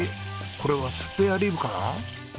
これはスペアリブかな？